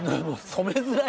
染めづらい。